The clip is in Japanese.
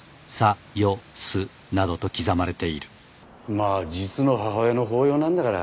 まあ実の母親の法要なんだから。